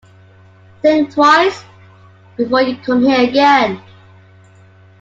Think twice before you come here again.